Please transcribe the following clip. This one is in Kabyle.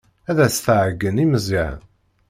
Ad as-tɛeyyen i Meẓyan.